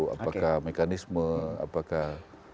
apakah mekanisme apakah